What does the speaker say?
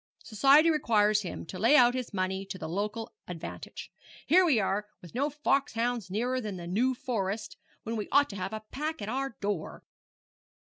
Society requires him to lay out his money to the local advantage. Here we are, with no foxhounds nearer than the New Forest, when we ought to have a pack at our door!'